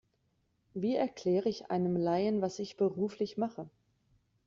Wie erkläre ich einem Laien, was ich beruflich mache?